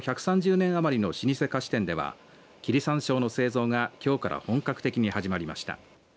１３０年余りの老舗菓子店では切山椒の製造がきょうから本格的に始まりました。